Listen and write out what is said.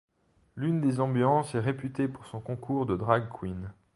L'une des ambiances est réputée pour son concours de Drag queens.